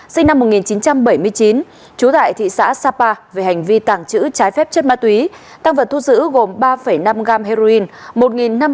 sinh năm một nghìn chín trăm bảy mươi chín trú tại thị xã sapa về hành vi tàng trữ trái phép chất ma túy tăng vật thu giữ gồm ba năm gam heroin một năm trăm linh viên ma túy tổng hợp